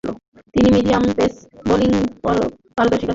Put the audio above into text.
তিনি medium pace বোলিংয়ে পারদর্শীতা দেখান।